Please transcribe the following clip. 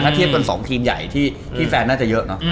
ถ้าเทียบกัน๒ทีมใหญ่ที่แฟนน่าจะเยอะเนอะ